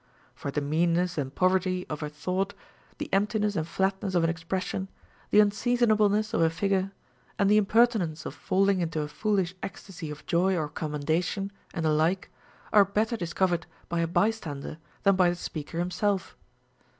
For the meanness and poverty of a thought, the emptiness and flatness of an expression, the unseason ableness of a figure, and the impertinence of falling into a foolish ecstasy of joy or commendation, and the like, are better discovered by a by stander than by the speaker him self.